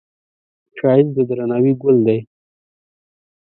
ښایست د درناوي ګل دی